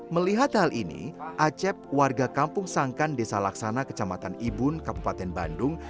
melihat hal ini acep warga kampung sangkan desa laksana kecamatan ibun kabupaten bandung